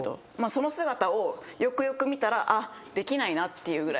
その姿をよくよく見たらできないなっていうぐらい。